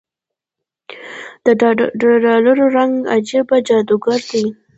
دډالرو رنګ عجيبه جادوګر دی